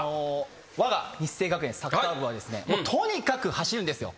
わが日生学園サッカー部はですねとにかく走るんですよ。